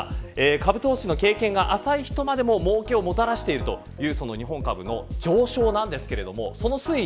株投資の経験が浅い人までももうけをもたらしているという日本株の上昇ですがその推移